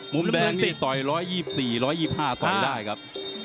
มุมแดงนี่ต่อย๑๒๔๑๒๕ต่อได้ครับ